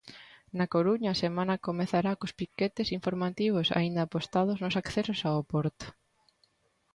Na Coruña, a semana comezará cos piquetes informativos aínda apostados nos accesos ao porto.